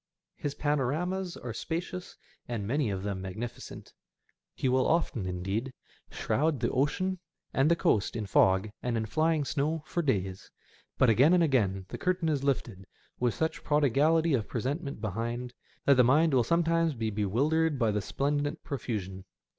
His panoramas are spacious, and many of them magnificent. He will often, indeed, shroud the ocean and the coast in fog and in flying snow for days ; but again and again the curtain is lifted, with such prodigality of presentment behind, that the mind will sometimes be bewildered by the splendid profusion.